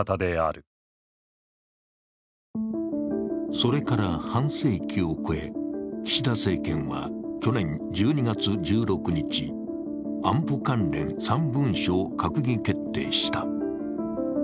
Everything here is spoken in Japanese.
それから半世紀を超え、岸田政権は去年１２月１６日、安保関連３文書を閣議決定した。